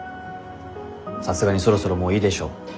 さすがにそろそろもういいでしょ。